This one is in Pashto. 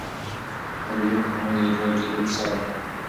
دا د دوو پښتنو د یو ځای کېدو کیسه وه.